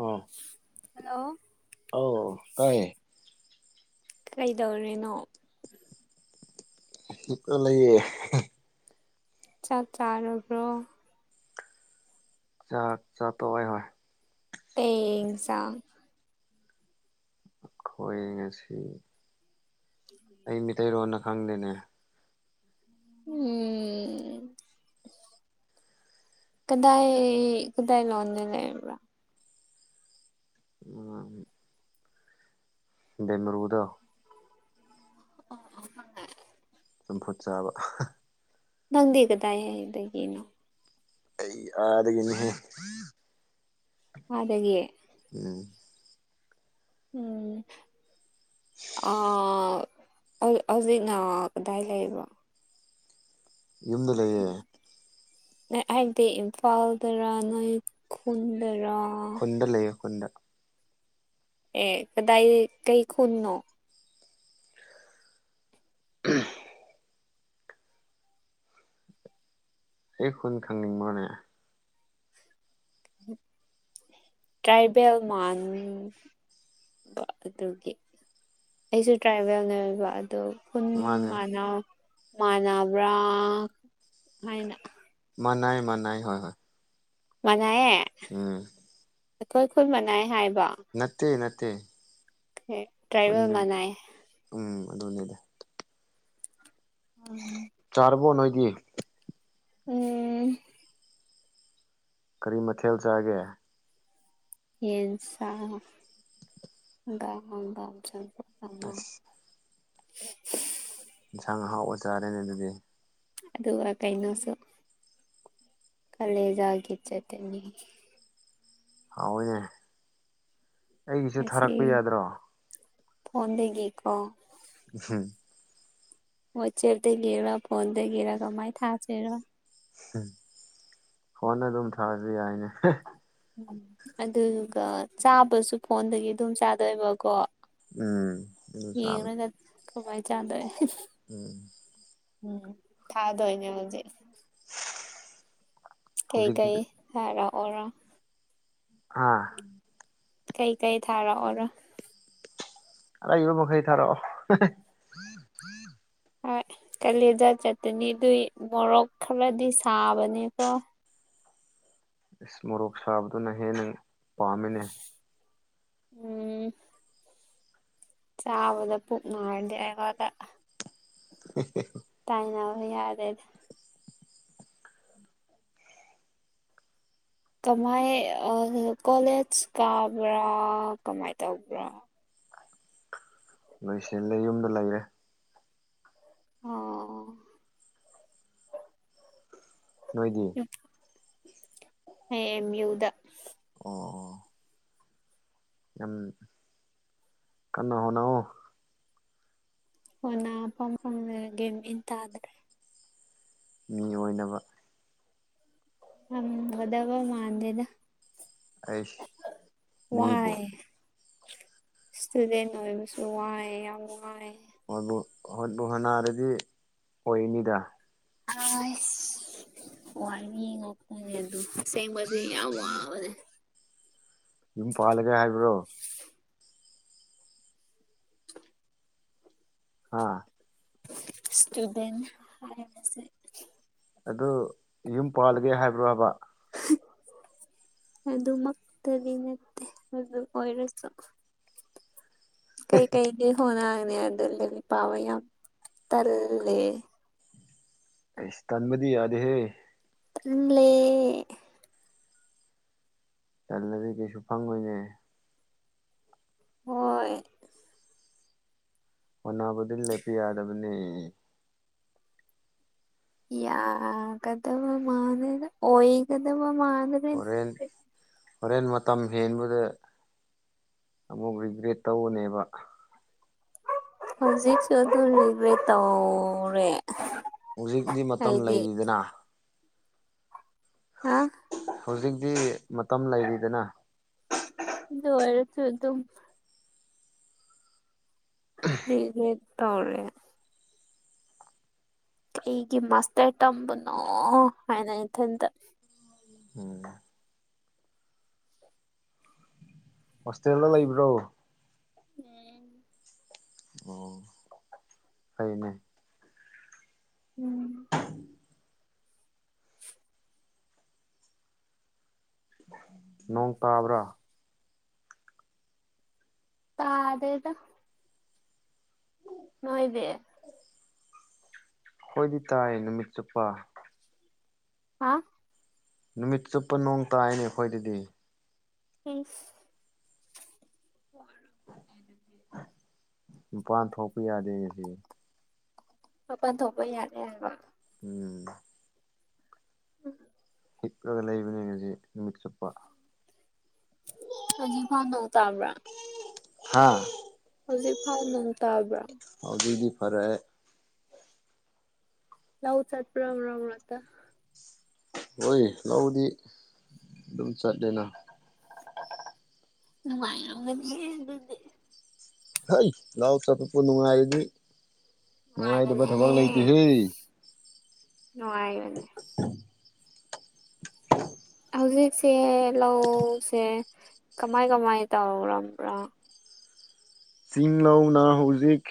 ꯑꯣ ꯍꯜꯂꯣ ꯑꯧ ꯇꯥꯌꯦ ꯀꯩꯗꯧꯔꯤꯅꯣ ꯇ ꯂꯩꯌꯦ ꯆꯥꯛ ꯆꯥꯔꯕ꯭ꯔꯣ ꯆꯥꯛ ꯆꯥ ꯇꯣꯛꯑꯦ ꯍꯣꯏ ꯀꯩ ꯌꯦꯡꯖꯥꯡ ꯑꯈꯣꯏ ꯉꯁꯤ ꯑꯩ ꯃꯤꯇꯩꯔꯣꯟꯅ ꯈꯪꯗꯦꯅꯦ ꯎꯝ ꯀꯗꯥꯏ ꯀꯗꯥꯏ ꯂꯣꯟꯗ ꯂꯩꯕ꯭ꯔꯥ ꯎꯝ ꯕꯦꯃꯔꯨꯗꯣ [unintelligible] ꯆꯝꯐꯨꯠ ꯆꯥꯕ ꯅꯪꯗꯤ ꯀꯗꯥꯏ ꯍꯥꯏꯗꯒꯤꯅꯣ ꯑꯩ ꯑꯥꯗꯒꯤꯅꯤꯍꯦ ꯑꯥꯗꯒꯤ ꯎꯝ ꯎꯝ ꯑ ꯑꯧ ꯑꯧꯖꯤꯛꯅ ꯀꯗꯥꯏ ꯂꯩꯕ꯭ꯔꯣ ꯌꯨꯝꯗ ꯂꯩꯌꯦ ꯍꯥꯏꯕꯗꯤ ꯏꯝꯐꯥꯜꯗꯔ ꯅꯣꯏ ꯈꯨꯟꯗꯔ ꯗ ꯂꯩ ꯈꯨꯟꯗ ꯑꯦ ꯀꯗꯥꯏ ꯀꯩ ꯈꯨꯟꯅꯣ [unintelligible] ꯑꯩ ꯈꯨꯟ ꯈꯪꯅꯤꯡꯕ꯭ꯔꯥꯅꯦ ꯇ꯭ꯔꯥꯏꯕꯦꯜ ꯃꯥꯟ ꯑꯗꯨꯒꯤ ꯑꯩꯁꯨ ꯇ꯭ꯔꯥꯏꯕꯦꯜꯅꯕ ꯑꯗꯣ ꯈꯨꯟ ꯃꯥꯅꯦ ꯃꯥꯟꯅꯧ ꯃꯥꯟꯅꯕ꯭ꯔꯥ ꯍꯥꯏꯅ ꯃꯥ ꯅꯥꯏ ꯃꯥ ꯅꯥꯏ ꯍ ꯃꯥꯅꯌꯦ ꯎꯝ ꯑꯩꯈꯣꯏ ꯈꯨꯜ ꯃꯅꯥꯏꯌꯦ ꯍꯥꯏꯕ ꯅꯠꯇꯦ ꯅꯠꯇꯦ ꯍ ꯇ꯭ꯔꯥꯏꯕꯦꯜ ꯈꯨꯟꯗꯤ ꯃꯅꯥꯏ ꯎꯝ ꯑꯗꯨꯅꯤꯗ ꯎꯝ ꯇꯕꯣ ꯅꯣꯏꯗꯤ ꯎꯝ ꯀꯔꯤ ꯃꯊꯦꯜ ꯆꯥꯒꯦ ꯌꯦꯟꯁꯥ ꯒꯥ ꯍꯪꯒꯥꯝ ꯆꯝꯐꯨꯠ ꯑꯃ ꯑꯁ [unintelligible] ꯏꯟꯁꯥꯡ ꯑꯍꯥꯎꯕ ꯆꯥꯔꯦꯅꯦ ꯑꯗꯨꯗꯤ ꯑꯗꯨꯒ ꯀꯩꯅꯣꯁꯨ ꯀꯂꯦꯖꯥꯒꯤ ꯆꯠꯇꯅꯤ ꯍꯥꯎꯏꯅꯦ ꯉꯥꯁꯤ ꯌꯥꯗ꯭ꯔꯣ ꯐꯣꯟꯗꯒꯤ ꯀꯣ ꯍꯝ ꯋꯥꯠꯆꯦꯞꯗꯒꯤꯔ ꯐꯣꯟꯗꯒꯤꯔ ꯀꯃꯥꯏ ꯊꯥꯥꯁꯤꯔ ꯐꯣꯟꯗ ꯑꯗꯨꯝ ꯊꯥꯔꯁꯨ ꯌꯥꯏꯅꯦ ꯎꯝ ꯑꯗꯨꯒ ꯆꯥꯕꯁꯨ ꯐꯣꯟꯗꯒꯤ ꯑꯗꯨꯝ ꯆꯥꯗꯣꯏꯕꯀꯣ ꯎꯝ ꯑꯗꯨ ꯆꯥꯕ ꯌꯦꯡꯕꯒ ꯀꯃꯥꯏ ꯆꯥꯗꯣꯏ ꯎꯝ ꯎꯝ ꯊꯥꯗꯣꯏꯅꯦ ꯍꯧꯖꯤꯛ ꯍꯧꯖꯤꯛꯇꯤ ꯀꯩꯀꯩ ꯍꯥꯏꯔ ꯑꯣꯔꯥ ꯑꯥ ꯀꯩ ꯀꯩ ꯊꯥꯔ ꯑꯣꯔ ꯑꯔꯩꯕꯥ ꯃꯈꯩ ꯊꯔꯛꯑꯣ [unintelligible] ꯍꯣꯏ ꯀꯂꯦꯖꯥ ꯆꯠꯇꯅꯤ ꯑꯗꯨꯏ ꯃꯣꯔꯣꯛ ꯈꯔꯗꯤ ꯁꯥꯕꯅꯤꯀꯣ ꯏꯁ ꯃꯣꯔꯣꯛ ꯁꯥꯕꯗꯨꯅ ꯍꯦꯟꯅ ꯄꯥꯝꯃꯤꯅꯦ ꯎꯝ ꯆꯥꯕꯗ ꯄꯨꯛ ꯅꯥꯔꯗꯤ ꯑꯩꯉꯣꯟꯗ [unintelligible] ꯇꯥꯏꯅꯕ ꯌꯥꯔꯅꯤ ꯀꯃꯥꯏ ꯀꯣꯂꯦꯖ ꯀꯥꯕ꯭ꯔꯥ ꯀꯃꯥꯏ ꯇꯧꯕ꯭ꯔꯥ ꯂꯣꯏꯁꯤꯜꯂꯦ ꯌꯨꯝꯗ ꯂꯩꯔꯦ ꯑꯣ ꯅꯣꯏꯗꯤ ꯑꯣ ꯑꯩ ꯑꯦꯝ ꯌꯨꯗ ꯑꯣ ꯑꯣ ꯌꯥꯝ ꯀꯟꯅ ꯍꯣꯠꯅꯧ ꯎꯅꯐꯝ ꯈꯪꯗ꯭ꯔꯦ ꯒꯦꯝ ꯏꯟ ꯇꯥꯗ꯭ꯔꯦ ꯃꯤ ꯑꯣꯏꯅꯕ ꯎꯝ ꯑꯣꯗꯕ ꯃꯥꯟꯗꯦꯗ ꯑꯩꯁ ꯃꯤꯕꯨ ꯋꯥꯔꯦ ꯏꯁꯇꯨꯗꯦꯟ ꯑꯣꯏꯕꯁꯨ ꯋꯥꯏ ꯌꯥꯝ ꯋꯥꯏ ꯍꯣꯠꯕꯨ ꯍꯣꯠꯄꯨ ꯍꯣꯟꯅꯥꯔꯗꯤ ꯑꯣꯏꯒꯅꯤꯗ ꯑꯥꯏꯁ ꯋꯥꯅꯤ ꯉꯥꯛ [unintelligible] ꯑꯁꯦꯡꯕꯗꯤ ꯌꯥꯝ ꯋꯥꯕꯅꯤ ꯌꯨꯝ ꯄꯥꯜꯂꯒꯦ ꯍꯥꯏꯕ꯭ꯔꯣ ꯍꯥ ꯏꯁꯇꯨꯗꯦꯟ ꯍꯥꯏꯕꯁꯦ ꯑꯗꯨ ꯌꯨꯝ ꯄꯥꯜꯂꯒꯦ ꯍꯥꯏꯕ꯭ꯔꯣ ꯍꯥꯏꯕ [unintelligible] ꯑꯗꯨꯃꯛꯇꯗꯤ ꯅꯠꯇꯦ ꯑꯗꯨ ꯑꯣꯏꯔꯁꯨ ꯀꯩꯀꯩꯗꯤ ꯍꯣꯅꯒꯅꯦ ꯑꯗꯨ ꯂꯥꯏꯔꯤꯛ ꯄꯥꯕ ꯌꯥꯝ ꯇꯜꯂꯦ ꯏꯁ ꯇꯟꯕꯗꯤ ꯌꯥꯗꯦꯍꯦ ꯗꯨꯝ ꯂꯩꯌꯦ ꯇꯜꯂꯗꯤ ꯀꯩꯁꯨ ꯐꯪꯉꯣꯏꯅꯦ ꯍꯣꯏ ꯑꯣꯅꯥꯕꯗꯤ ꯂꯦꯞꯄ ꯌꯥꯗꯕꯅꯦ ꯌꯥ ꯀꯗꯕ ꯃꯥꯟꯗꯦꯗ ꯑꯣꯏꯒꯗꯕ ꯃꯥꯟꯗꯦꯗ ꯍꯣꯔꯦꯟ ꯍꯣꯔꯦꯟ ꯃꯇꯝ ꯍꯦꯟꯕꯗ ꯑꯃꯨꯛ ꯔꯤꯒ꯭ꯔꯦꯠ ꯇꯧꯕꯅꯦꯕ ꯍꯧꯖꯤꯛꯁꯨ ꯑꯗꯨ ꯔꯤꯒ꯭ꯔꯦꯠ ꯇꯧꯔꯦ ꯍꯧꯖꯤꯛꯇꯤ ꯃꯇꯝ ꯑꯩꯗꯤ ꯂꯩꯔꯤꯗꯅ ꯍꯥ ꯍꯧꯖꯤꯛꯇꯤ ꯃꯇꯝ ꯂꯩꯔꯤꯗꯅ ꯑꯗꯨ ꯑꯣꯏꯔꯁꯨ ꯑꯗꯨꯝ ꯔꯤꯒ꯭ꯔꯦꯠ ꯇꯧ꯭ꯔꯦ ꯀꯩꯒꯤ ꯃꯥꯁꯇꯔ ꯇꯝꯕꯅꯣ ꯍꯥꯏꯅ ꯏꯊꯟꯇ ꯎꯨꯝ ꯍꯣꯁꯇꯦꯜꯗ ꯂꯩꯕ꯭ꯔꯣ ꯎꯝ ꯑꯣ ꯑꯩꯅꯦ ꯎꯨꯝ [inaudible] ꯅꯣꯡ ꯇꯥꯕ꯭ꯔꯥ ꯇꯥꯗꯦꯗ ꯅꯣꯏꯗꯤ ꯑꯈꯣꯏꯗꯤ ꯇꯥꯏ ꯅꯨꯃꯤꯠ ꯆꯨꯞꯄ ꯍꯥ ꯅꯨꯃꯤꯠ ꯆꯨꯞꯄ ꯅꯣꯡ ꯇꯥꯏꯅꯦ ꯑꯈꯣꯏꯗꯗꯤ ꯏꯤꯁ ꯋꯥꯔꯝꯒꯅꯤ ꯑꯗꯨꯗꯤ ꯃꯄꯥꯟ ꯊꯣꯛꯄ ꯌꯥꯗꯦ ꯑꯩꯗꯤ ꯃꯄꯥꯟ ꯊꯣꯛꯄ ꯌꯥꯗꯦ ꯍꯥꯏꯕ ꯎꯨꯝ ꯍꯤꯞꯂꯒ ꯂꯩꯕꯅꯦ ꯉꯁꯤ ꯅꯨꯃꯤꯠ ꯆꯨꯞꯄ ꯍꯧꯖꯤꯛꯐꯥꯎ ꯅꯣꯡ ꯇꯥꯕ꯭ꯔ ꯍꯥꯥ ꯍꯧꯖꯤꯛ ꯐꯥꯎ ꯅꯣꯡ ꯇꯥꯕ꯭ꯔꯥ ꯍꯧꯖꯤꯛꯗꯤ ꯐꯔꯛꯑꯦ ꯂꯧ ꯆꯠꯄ꯭ꯔ ꯃꯔꯛ ꯃꯔꯛꯇꯥ ꯍꯣꯏ ꯂꯧꯗꯤ ꯑꯗꯨꯝ ꯆꯠꯂꯦꯅ ꯅꯨꯉꯥꯏꯔꯝꯒꯅꯤ ꯑꯗꯨꯗꯤ ꯍꯩ ꯂꯧ ꯆꯠꯄꯄꯨ ꯅꯨꯡꯉꯥꯏꯔꯗꯤ ꯅꯨꯡꯉꯥꯏꯇꯕ ꯅꯨꯡꯉꯥꯏꯕꯅꯦ ꯊꯕꯛ ꯂꯩꯇꯦꯍꯦ ꯅꯨꯡꯉꯥꯏꯒꯅꯤ [unintelligible] ꯍꯧꯖꯤꯛꯁꯦ ꯂꯧꯁꯦ ꯀꯃꯥꯏ ꯀꯃꯥꯏ ꯇꯧꯔꯕ꯭ꯔꯥ ꯆꯤꯡꯂꯧꯅ ꯍꯧꯖꯤꯛ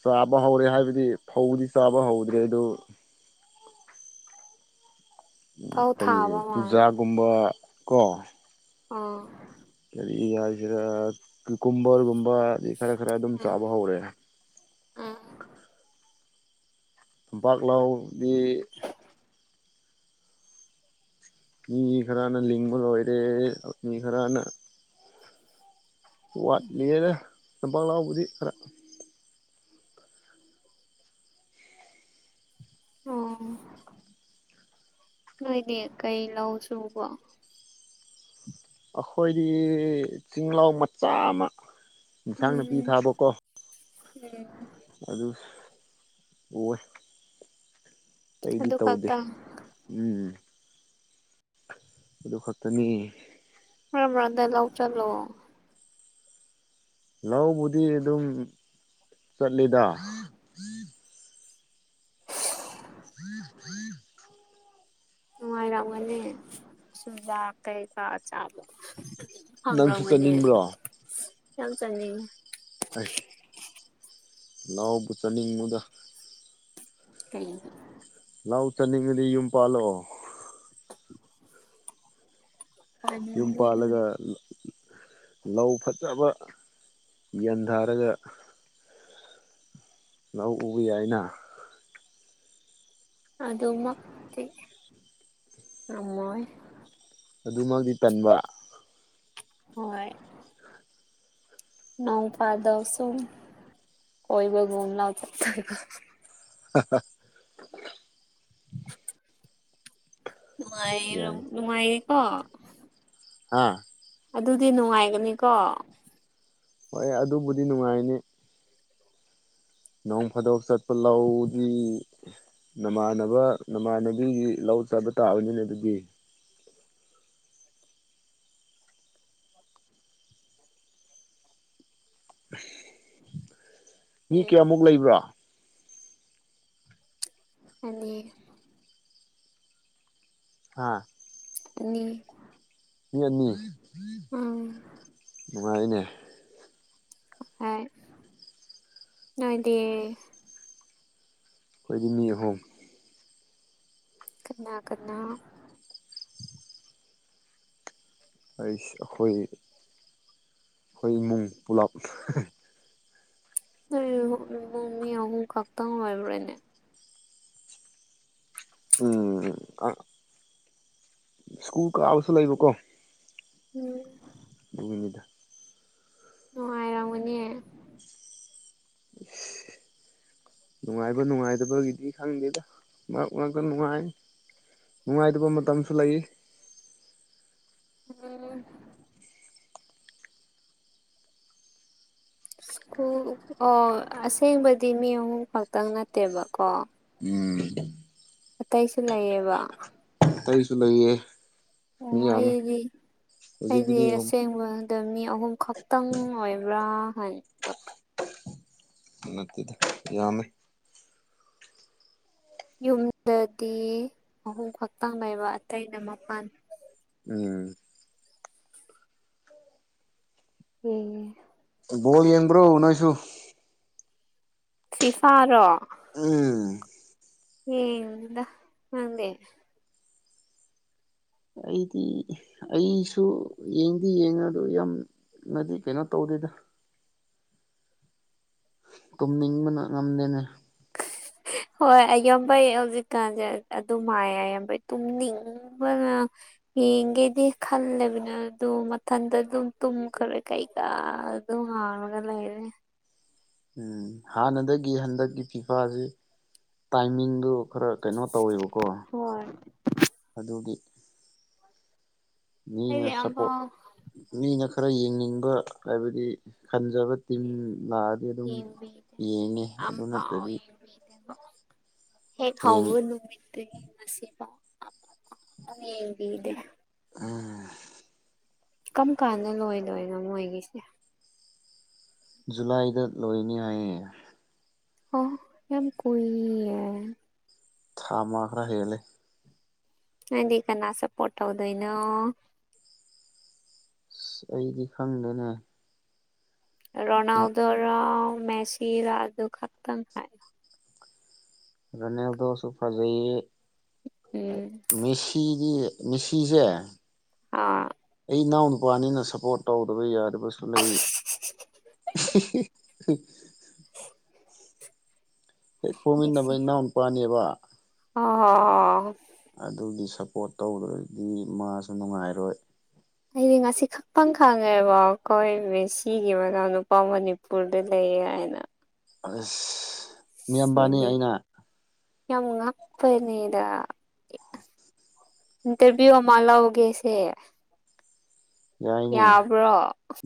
ꯆꯥꯕ ꯍꯧꯔꯦ ꯍꯥꯏꯕꯗꯤ ꯐꯧꯗꯤ ꯆꯥꯕ ꯍꯧꯗ꯭ꯔꯦ ꯑꯗꯨ ꯎꯝ ꯐꯧ ꯀꯔꯤ ꯊꯥꯕ ꯃꯥꯜꯂꯦ ꯆꯨꯖꯥꯛꯒꯨꯝꯕ ꯀꯣ ꯑꯣꯥ ꯀꯔꯤ ꯍꯥꯏꯁꯤꯔ ꯀꯨꯀꯨꯝꯕꯔꯒꯨꯝꯕ ꯑꯗꯩ ꯈꯔ ꯈꯔ ꯑꯗꯨꯝ ꯎꯝ ꯆꯥꯕ ꯍꯧꯔꯦ ꯎꯝ ꯐꯝꯄꯥꯛ ꯂꯧꯗꯤ ꯃꯤ ꯈꯔꯅ ꯂꯤꯡꯕ ꯂꯣꯏꯔꯦ ꯃꯤ ꯈꯔꯅ ꯋꯥꯠꯂꯤꯌꯦꯗ ꯐꯝꯄꯥꯛ ꯂꯥꯎꯕꯨꯗꯤ ꯈꯔ ꯑꯣ ꯅꯣꯏꯗꯤ ꯀꯩ ꯂꯧ ꯁꯨꯕꯣ ꯑꯩꯈꯣꯏꯗꯤ ꯆꯤꯡꯂꯧ ꯃꯆꯥ ꯑꯃ ꯏꯟꯁꯥꯡ ꯅꯥꯄꯤ ꯎꯝ ꯎꯝ ꯑꯗꯨꯅꯦ ꯎꯋꯦ ꯑꯇꯩꯗꯤ ꯑꯗꯨ ꯇꯧꯗꯦ ꯈꯛꯇ ꯎꯝ ꯑꯗꯨ ꯈꯛꯇꯅꯤ ꯃꯔꯛ ꯃꯔꯛꯇ ꯂꯧ ꯆꯠꯂꯣ ꯂꯧꯕꯨꯗꯤ ꯑꯗꯨꯝ ꯆꯠꯂꯤꯗ [unintelligible] ꯅꯨꯡꯉꯥꯏꯔꯝꯒꯅꯤ ꯁꯨꯖꯥꯛ ꯀꯩꯀꯥ ꯆꯥꯕꯗꯣ ꯅꯪꯁꯨ ꯆꯠꯅꯤꯡꯕ꯭ꯔꯣ ꯌꯥꯝ ꯆꯠꯅꯤꯡꯉꯦ ꯑꯩ ꯂꯧꯕꯨ ꯆꯠꯅꯤꯡꯅꯨꯗ ꯀꯩꯒꯤ ꯂꯍꯥꯎ ꯆꯥꯅꯤꯡꯉꯗꯤ ꯌꯨꯝ ꯄꯥꯜꯂꯣ ꯌꯨꯝ ꯆꯥꯅꯤꯡꯗꯦ ꯄꯥꯜꯂꯒ ꯑꯗꯨꯗꯤ ꯂꯧ ꯐꯖꯕ ꯌꯦꯟꯊꯥꯔꯒ ꯂꯧ ꯎꯕ ꯌꯥꯏꯅ ꯑꯗꯨꯃꯛꯇꯤ ꯉꯝꯃꯣꯏ ꯑꯗꯨꯃꯛꯇꯤ ꯇꯟꯕ ꯍꯣꯏ ꯅꯣꯡ ꯐꯥꯗꯣꯛꯁꯨꯝ ꯀꯣꯏꯕꯨꯒꯤ ꯂꯧ ꯆꯇꯣꯏꯕ [unintelligible] ꯅꯨꯡꯉꯥꯏ ꯌꯥꯏ ꯅꯨꯡꯉꯥꯏꯌꯦꯀꯣ ꯍꯥ ꯑꯗꯨꯗꯤ ꯅꯨꯡꯉꯥꯏꯒꯅꯤꯀꯣ ꯍꯣꯏ ꯑꯗꯨꯕꯨꯗꯤ ꯅꯨꯡꯉꯥꯏꯅꯤ ꯅꯣꯡ ꯐꯥꯗꯣꯛ ꯆꯠꯄ ꯂꯧꯗꯤ ꯅꯃꯥꯟꯅꯕ ꯅꯃꯥꯟꯅꯕꯤꯒꯤ ꯂꯧ ꯆꯥꯕ ꯇꯥꯕꯅꯤꯅꯦ ꯑꯗꯨꯗꯤ [inaudible] ꯃꯤ ꯎꯝ ꯀꯌꯥꯃꯨꯛ ꯂꯩꯕ꯭ꯔꯥ ꯑꯅꯤ ꯍꯥꯥ ꯑꯅꯤ ꯌꯦꯅꯤ ꯎꯝ ꯅꯨꯡꯉꯥꯏꯅꯦ ꯍꯥꯏ ꯅꯣꯏꯗꯤ ꯑꯩꯈꯣꯏꯗꯤ ꯃꯤ ꯑꯍꯨꯝ ꯀꯅꯥ ꯀꯅꯥ ꯑꯩꯁ ꯑꯩꯈꯣꯏ ꯑꯩꯈꯣꯏ ꯏꯃꯨꯡ ꯄꯨꯂꯞ ꯑꯣꯃꯤ ꯏꯃꯨꯡꯑꯍꯨꯝ ꯈꯛꯇꯪ ꯑꯣꯏꯕ꯭ꯔꯥꯅꯦ ꯎꯝ ꯑ ꯁ꯭ꯀꯨꯜ ꯀꯥꯎꯁꯨ ꯂꯩꯕ ꯀꯣ ꯎꯝ [inaudible] ꯅꯨꯡꯉꯥꯏꯔꯝꯒꯅꯦ [inaudible] [unintelligible] ꯅꯨꯡꯉꯥꯏꯕ ꯅꯨꯡꯉꯥꯏꯇꯕꯒꯤꯗꯤ ꯈꯪꯗꯦꯗ ꯃꯔꯛ ꯉꯛꯇ ꯅꯨꯡꯉꯥꯏ ꯅꯨꯡꯉꯥꯏꯇꯕ ꯃꯇꯝꯁꯨ ꯂꯩ ꯎꯝ ꯁ꯭ꯀꯨꯜ ꯑꯣ ꯑꯁꯦꯡꯕꯗꯤ ꯃꯤ ꯑꯍꯨꯝ ꯈꯛꯇꯪ ꯅꯠꯇꯦꯕꯀꯣ ꯎꯝ ꯑꯇꯩꯁꯨ ꯂꯩꯌꯦꯕ ꯑꯇꯩꯁꯨ ꯂꯩꯌꯦ ꯑꯣ ꯃꯤ ꯌꯥꯝꯃꯦ ꯑꯩꯗꯤ ꯍꯧꯖꯤꯛꯇꯤ ꯑꯩꯗꯤ ꯃꯤ ꯑꯍꯨꯝ ꯑꯁꯦꯡꯕ ꯑꯗ ꯃꯤ ꯑꯍꯨꯝ ꯈꯛꯇꯪ ꯑꯣꯏꯕ꯭ꯔꯥ ꯍꯥꯏ ꯅꯠꯇꯦꯗ ꯌꯥꯝꯃꯦ ꯌꯨꯝꯗꯗꯤ ꯑꯍꯨꯡ ꯈꯛꯇꯥꯡ ꯂꯩꯕ ꯑꯇꯩꯅ ꯃꯄꯥꯟ ꯎꯝ ꯎꯝ ꯕꯣꯜ ꯌꯦꯡꯕ꯭ꯔꯣ ꯅꯣꯏꯁꯨ ꯐꯤ ꯐꯥꯔꯣ ꯎꯝ ꯌꯦꯡꯗꯦꯗ ꯅꯪꯗꯤ ꯑꯩꯗꯤ ꯑꯩꯁꯨ ꯌꯦꯡꯗꯤ ꯌꯦꯡꯉꯗꯨ ꯌꯥꯝ ꯅꯗꯤ ꯀꯩꯅꯣ ꯇꯧꯗꯣꯏꯗ ꯇꯨꯝꯅꯤꯡꯕꯅ ꯉꯝꯗꯦꯅꯦ ꯍꯣꯏ ꯑꯌꯥꯝꯕꯩ ꯍꯧꯖꯤꯛꯀꯥꯟꯁꯦ ꯑꯗꯨ ꯃꯥꯏ ꯑꯌꯥꯝꯕꯩ ꯇꯨꯝꯅꯤꯡ ꯕꯅ ꯌꯦꯡꯒꯦꯗꯤ ꯈꯜꯂꯦꯕꯅ ꯑꯗꯨ ꯃꯊꯟꯇ ꯑꯗꯨꯝ ꯇꯨꯝꯈ꯭ꯔꯦ ꯀꯩꯀꯥ ꯑꯗꯨꯝ ꯍꯥꯡꯂꯒ ꯂꯩꯔꯦ ꯎꯝ ꯍꯥꯟꯅꯗꯒꯤ ꯍꯟꯗꯛꯀꯤ ꯐꯤꯐꯥꯥꯁꯦ ꯇꯥꯏꯃꯤꯡꯗꯨ ꯈꯔ ꯀꯩꯅꯣ ꯇꯧꯋꯦꯕꯀꯣ ꯍꯣꯏ ꯑꯗꯨꯒꯤ ꯃꯤꯅ ꯑꯩꯗꯤ ꯁꯞꯄꯣꯔꯠ ꯑꯝꯐꯥꯎ ꯃꯤꯅ ꯈꯔ ꯌꯦꯡꯅꯤꯡꯕ ꯍꯥꯏꯕꯗꯤ ꯍꯟꯖꯕ ꯇꯤꯝ ꯂꯥꯛꯑꯗꯤ ꯑꯗꯨꯝ ꯌꯦꯡꯕꯤꯗꯦ ꯌꯦꯡꯉꯅꯤ ꯑꯗꯨ ꯑꯝꯐꯥꯎ ꯅꯠꯇ꯭ꯔꯗꯤ ꯌꯦꯡꯕꯤꯗꯦꯕ ꯍꯦꯛ ꯍꯌꯦꯡ ꯍꯥꯎꯕ ꯅꯨꯃꯤꯠꯇꯒꯤ ꯉꯁꯤꯐꯥꯎꯕ ꯌꯦꯡꯕꯤꯗꯦ ꯎꯝ ꯀꯔꯝ ꯀꯥꯟꯗ ꯂꯣꯏꯗꯣꯏꯅꯣ ꯃꯣꯏꯒꯤꯁꯦ ꯖꯨꯂꯥꯏꯗ ꯂꯣꯏꯅꯤ ꯍꯥꯏꯌꯦ ꯑꯣ ꯌꯥꯝ ꯀꯨꯢꯌꯦ ꯊꯥ ꯑꯃ ꯒꯔ ꯍꯦꯜꯂꯦ ꯅꯪꯗꯤ ꯀꯅꯥ ꯁꯥꯕꯣꯠ ꯇꯧꯗꯣꯏꯅꯣ ꯑꯁ ꯑꯩꯗꯤ ꯈꯪꯗꯦꯗ ꯔꯅꯥꯎꯗꯔ ꯃꯦꯁꯥꯔ ꯑꯗꯨꯈꯥꯛꯇꯪ ꯍꯥꯏꯌꯨ ꯔꯣꯅꯥꯜꯗꯣꯁꯨ ꯐꯖꯩ ꯎꯝ ꯃꯦꯁꯤꯗꯤ ꯃꯦꯁꯤꯁꯦ ꯑꯥ ꯑꯩ ꯏꯅꯥꯎ ꯅꯨꯕꯥꯅꯤꯅ ꯁꯥꯄꯣꯔꯠ ꯇꯧꯗꯕ ꯌꯥꯗꯕꯁꯨ ꯂꯩ [inaudible] ꯍꯦꯛ ꯄꯣꯃꯤꯟꯅꯕ ꯃꯦꯁꯤ ꯏꯅꯥꯎ ꯅꯨꯄꯥꯅꯦꯕ ꯑꯣ ꯑꯣ ꯑꯗꯨꯒꯤ ꯁꯞꯄꯣꯔꯠ ꯇꯧꯗ꯭ꯔꯗꯤ ꯃꯥꯁꯨ ꯅꯨꯡꯉꯥꯏꯔꯣꯏ ꯑꯩꯗꯤ ꯉꯁꯤ [unintelligible] ꯁꯦꯒꯤ ꯃꯅꯥꯎ ꯅꯨꯄꯥ ꯐꯥꯎ ꯃꯅꯤꯄꯨꯔꯗ ꯂꯩꯌꯦ ꯍꯥꯏꯅ ꯑꯁ ꯁꯤ ꯃꯤꯌꯥꯝꯕꯅꯤ ꯑꯩꯅ [unintelligible] ꯌꯥꯝ ꯄꯅꯦꯗ ꯏꯟꯇꯔꯕꯤꯌꯨ ꯑꯃ ꯂꯧꯒꯦꯁꯦ ꯌꯥꯏꯅꯦ ꯌꯥꯕ꯭ꯔꯣ